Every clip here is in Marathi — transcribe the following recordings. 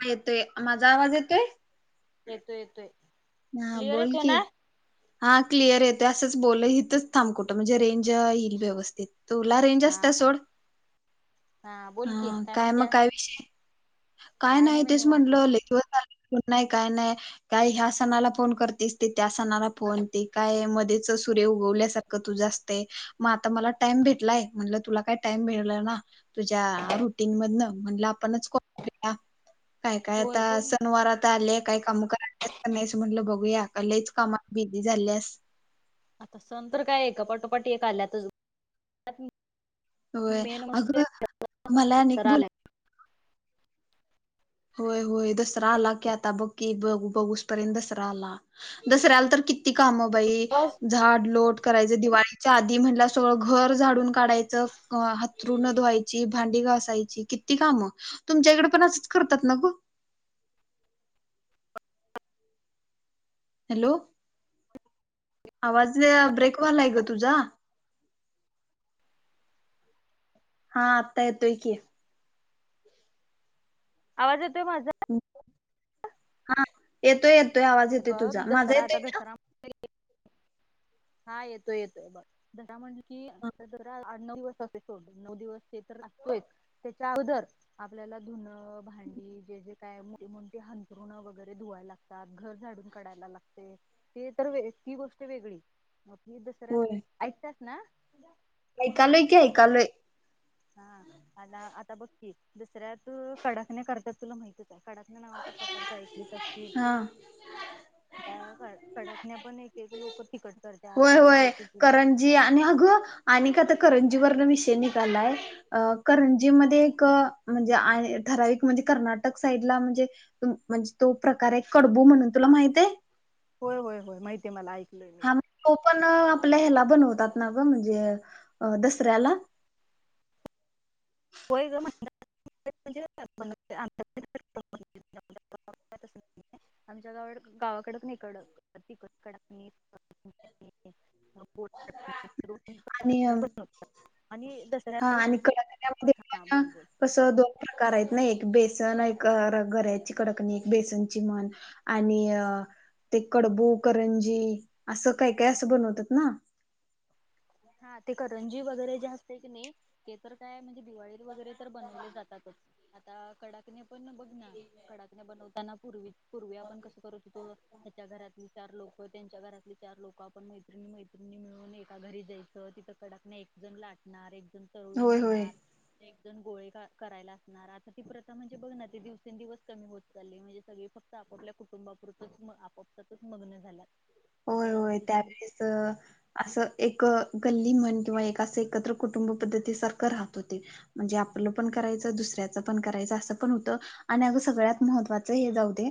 हा येतोय माझा आवाज येतोय? येतोय येतोय. हा क्लिअर बोल येतोय की ना? हा क्लिअर येतोय असंच बोल इथच थांब कुठं म्हणजे रेंज येईल व्यवस्थित तुला रेंज हा असते सोड हा बोल की ह काय मग म्हणत्यास? काय विषय काय नाही तेच म्हटलं कि नाही काय नाही काय ह्या सणाला फोन करतेस ते त्या सणाला फोन ते काय मध्येच सूर्य उगवल्यासारखं तुझं असते मग आता मला टाइम भेटलाय म्हणलं तुला काय टाइम भेटल ना तुझ्या रुटीन मधन म्हण आपणच कॉ अ हा काय काय होय आता बोल की सनवार आता आले काय का काम करा नाही अस म्हटलं बघूया क लच कामा बिझी झाल्यास, आता सण तर काय आहे का पटोपट एक आल्यातच होय मेन म्हणजे अगं मला अनेक दसरा आलाय. बला होय होय दसरा आला की आता बघकी बघ बघसपर्यंत दसरा आला दसऱ्याला तर किती त काम बाई आवाज झाड, लोट करायच दिवाळीच्या आधी म्हण सगळं घर झाडून काढायचं, हातरूण धुवायची, भांडी घसायची, किती काम? तुमच्याकडे पण करतात न ग? हॅलो आवाज ब्रेक वला आहे ग तुझा हा आत्ता येतोय की! आवाज येतोय माझा हा येतो येत. तो आवाज हे येते बघ तुझा माझा दसरा आता येते ना? दसरा हा येतोय येतोय बघ म्हण. कि हा. नऊ दिवस अस सोड नऊ दिवस ते तर असगतोयच त्याच्या अगोदर आपल्याला धुनं, भांडी, जे जे कायती हंतरुण, वगैरे धुवाय लागतात, घर झाडून काढायला लागते, ते तर ती गोष्ट वेगळी म म दसऱ्यात होय ऐकता ना ऐकालोय की ऐकालोय. हा आता आता बघकी दुसऱ्यात कडाकण्या करतात तुला माहतीच आहे कडाक नावाचा प्रकारच ऐकलीच असचिल हा कडाकण्या पण एक एक लोक तिकट करतात होय एक एक होय लोक गुड करंजी करतात आणि अगं आणि का आता करंजी वरण मिश ायंजी म म्हणजे ठरा म्हणजे कर्टक साईडला म्हणजेणज तो प्रकार आहे कडबू म्हणून तुला माहितय? होय होय होय माहिती मला ऐक हा म तो पण आपल्या ह्याला बनवतात ना ग म्हणजे अ दसऱ्याला. होय ग म्हण [unintelligible] आमच्या [unintelligible] गा गावाकड नाही कड कडाकणी [unintelligible] [unintelligible] तरी आणि बनव आणि दसऱ्याला [unintelligible] [unintelligible] ना बोल बोल कस दोन प्रकार आहेत ना एक बेसन एक गऱ्याची कडाकणी एक बेसनची म्हण आणि ते कडबू करंजी असं काय काय असं बनवतात ना. हा ते करंजी वगैरे जे असते की नाही ते तर काय म्हणजे दिवाळीत वगैरे. तर बनवले जातातच. आता कडाकण्या पण बघ ना कडाकण्या बनवताना पूर्वी पूर्वी आपण कसं करू होतो ह्याच्या घरातली. चार लोक त्यांच्या घरातले, चार लोक, आपण मैत्रिणी, मैत्रिणी मिळून एका घरी जाई. तिथं कडाकणी एकजण लाटणार एक तळून होय होय घेणार गोळे करायला असणार आता ती प्रथा म्हणजे बघ ना ते दिवसेंदिवस कमी होत चालली म्हणजे सगळी फक्त आप आपल्याकुंटुंबापुरच आपपच मग्न झाला. होय होय त्यावेळेस [unintelligible] असं एक गल्ली म्हण किंवा एक असं एकत्र कुटुंब पद्धती सारखं राहत होते. म्हणजे आपलं पण करायच दुसऱ्याच पण करायचं. असं पण होतं आणि अग सगळ्यात महत्त्वाचं हे जाऊ दे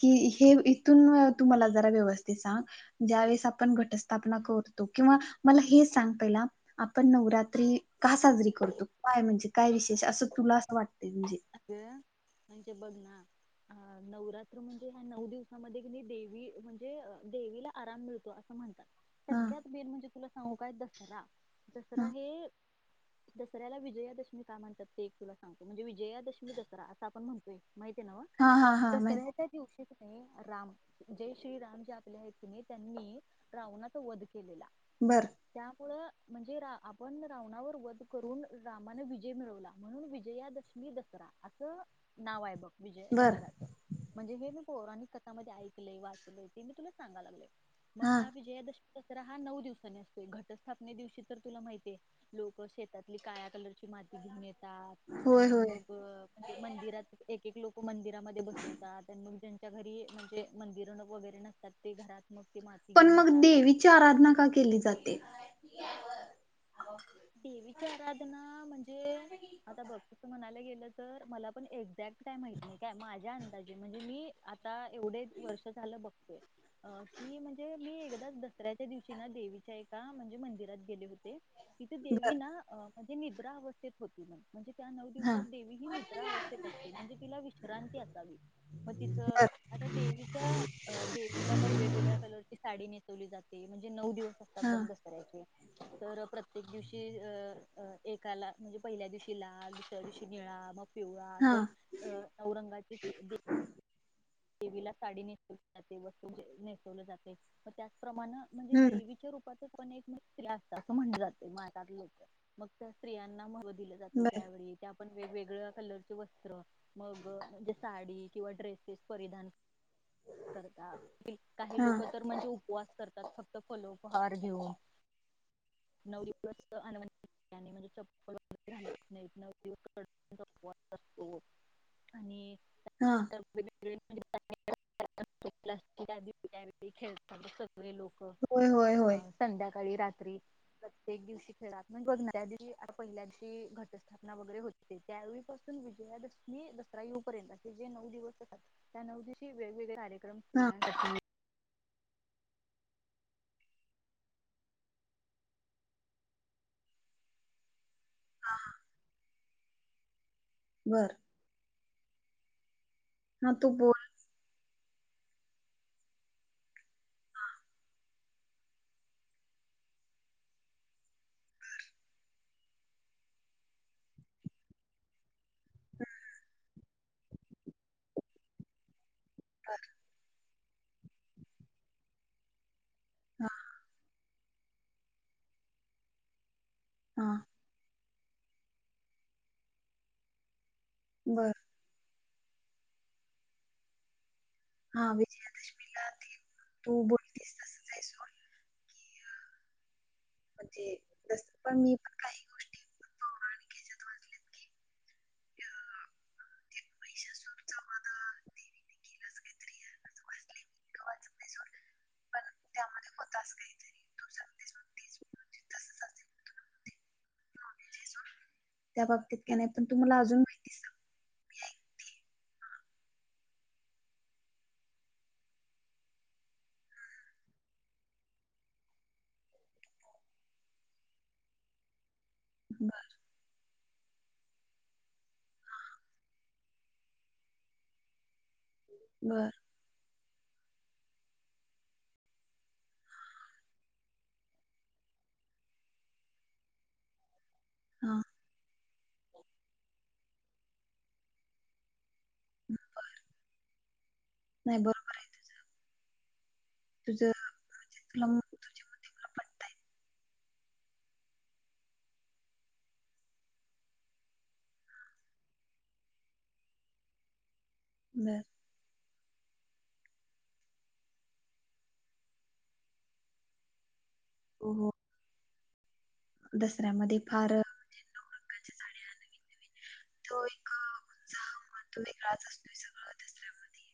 की हे इथून तुम्हाला जरा व्यवस्थित. ते सांग ज्या वेळेस आपण घटस्थापना करतो किंवा मला हे सांग पहिला आपण नवरात्री का साजरी करतो काय म्हणजे? काय विशेष? असं तुला अस वाटत म्हणजे. म्हणजे बघ ना अ नवरात्र म्हणजे ह्या नऊ दिवसामध्ये की देवीम्हणजे देवीला आराम मिळतो असं म्हणतात. हा सगळ्यात मेन म्हणजे तुला सांगू काय? दसरा दसरा हा हे. दसऱ्याला विजयादशमी का म्हणतात, ते एक तुला सांगतो म्हणजे विजयादशमी. तु दसरा असं आपण म्हणतोय. माहिती आहे ना हा हा हा माहिती दसऱ्याच्या दिवशी. राम जय श्रीराम जे आपले आहेत ति त्यांनी रावना वध केलेला बर त्या, [unintelligible] म्हणजे रा आपण रावणाचा वध करून रामाने विजय मिळवला म्हणून विजयादशमी दसरा. असं नाव आहे बघ. विजय बर दसऱ्याच म्हणजे हे पौराणिक कथामध्ये [inaudible] ऐकले वाचले ते मी तुला सांगा लागले मग हा विजयादशमीचा हा नऊ दिवसानी असतो घटस्थापने दिवशी तर तुला माहितीये लोक शेतात काळ कलरची माती घेऊन येतात होय आणि होय मग मंदिरात एक एक लोक मंदिर मध्ये बसवतात मग च्या घरी म्हणजे मंदिर वगैरे नसतात ते घरात, मग ती माती पण घेऊन मग येतात. देवीची आराधना का केली जाते [inaudible] देवीची आराधना म्हणजे आता भक्तच म्हणायला गेलं तर मला पण एक एक्झॅक्ट काही माहत नाही काय माझ्या अंदाज म्हणजे मी आता एवढे वर्ष झालं बघतोय अ की म्हणजे मी एकदाच दसऱ्याच्या दिवशी ना देवीच्या एका म्हणजे मंदिरात गेले होते तिती बर देवी ना अ म्हणजे निद्रा अवस्थेत होती म्ह त्या नऊ हा दिवसात देवी ही मित्रा अवस्थेत असते म्हणजे तिला विश्रांती असावी मग तिथ बर आता देवीच्या देवीला मग वेगवेगळ्या कलरची साडी जाते म्हणजे नऊ दिवस हा ब करायचे तर प्रत प्रत्येक दिवशी अ एकाला म्हणजे पहिल्या दिवशी ला दुसऱ्या दिवशी निळा मग पिवळा हा असं अ नरंगाचे देवीला साडी नेसवली जाते वस्तू नेसवले जाते म त्या प्रमाण म्हणजे हम्म देवीच्या रूपच ण एक स्त असत असं म्हण जात मात लोक मग त्या स्त्रियांना दिलं जाते बर त्यावेळी त्या ण वेगवेगळ्या कलरचे वस्त्र मग म्हणजे साडी किंवा ड्रेसेस परिधान करत काही हा लोक तर म्हणजे उपवास करतात फक्त फलोपहार घेऊन नऊ दिवस म्हणजे च नाही न दिस असतो आणि हा खेळ सगळे लोक होय होय अ होय संध्या सकाळी रात्री प्रत्येक दिवशी खेळात म्ह न्या दिवशी आता पहिल्या दिवशी घटस्थापना वगैरे होते त्यावेळीपासून विजयादशमी दसरा येऊ पर्यंत असे जे नऊ दिवस त्या नऊ दिशी वेगवेगळे कार हा ्रम हा बरं ह तू बोल ब ह हा बरं हा विजयादशमीला तू बोलतेस तसचय सो म्हणजेस पण मी पण काही गोष्टी म्हिशा सुर चा वध देवी ने केलं [unintelligible] त्या बाबतीत का नाही पण तु मला अजून माहिती सांग मीआइकते बरं बर, हा [unintelligible] बर नाही बरोबर आहे तुझं, तुझ तुला तुझी मत पट त्या, बर हो दसऱ्याच्या मध्ये फार नऊ रंगच्या साड्या नवीन तो एक उत्साह तो वेगळाच असतोय सगळ दसऱ्या मध्ये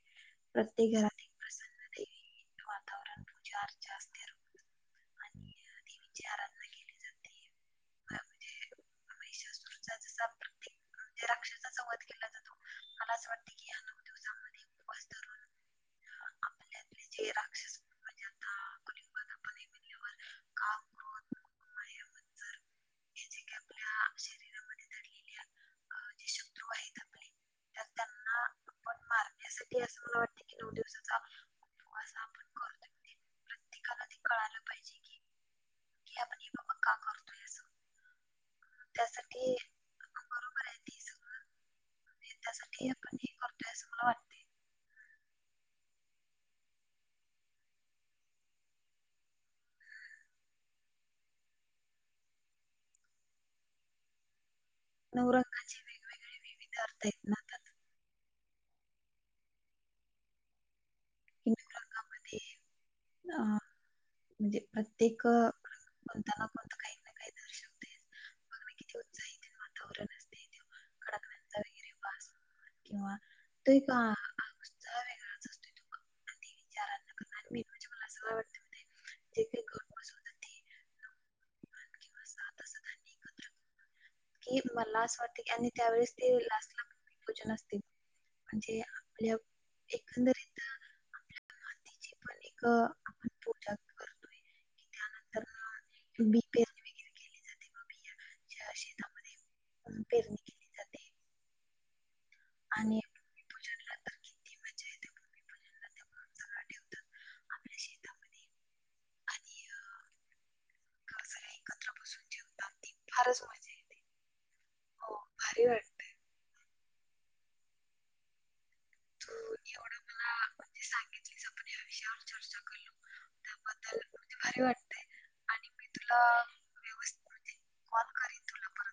प्रत्येक घरात एक ते च प्रसन्न वातावरण पूजा अर्चा आणि देवी ची आराधना केली जाते. म्हणजे महिषासुर चा जसा वाद्य [unintelligible] म्हणजे रक्षण सा चा वध केला जातो मला अस वाटत की या नऊ दिवसा मध्ये उपवास धरून आपल तेल रक्षण म्हणजे आता कलियुगात राग क्रोध [unintelligible] हे जे की आपल्या शरीरामध्येलेल्या दडले शत्रू आहेत आपले त्यांना तर तेना आपण मारण्यासाठी असं मला वाटत की नऊ दिवसाचा उपवास प्रत्येकाला ते कळायला पाहिजे कि आपण हे बाबा का करतोय, त्या साठी बरोबर आहे ते सगळ त्या साठी आपण करतोय असं वाटतं, नऊ रंग चे वेगवेगळे विविध अर्थ आहेत ना त्या, हिरव्या रंगा मध्ये म्हणजे प्रत्येक रंग कोणता ना कोणता तरी काही ना काही तरी दर्शवत मग ते उत्साही तेन वातावरण असते ते कडकन चा वगैरे वास किंवा ते एक उत्साह वेगळा चा असतोया, म्हणज मला अस जे काही ब [inaudible] [unintelligible] त्यानंतरी बी पेरणी वगैरे केली जाते, व बिया पेरणी केली जाते [unintelligible] आणि [unintelligible] [unintelligible] आपल्या शेतात मध्ये एकत्र बसून जेवतात त फारच मजा येते, हो भारी वाटते तू एवढ मला सांगितण ह विषयावर चर्चा करलो त्याबद्दल भारी वाटते आणि मी तुला व्यवस्ण कॉल करन तुलापरत,